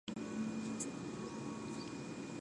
It was powered by a fast-burning solid rocket motor.